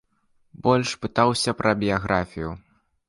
Больш пытаўся пра біяграфію.